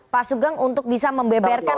pak sugeng untuk bisa membeberkan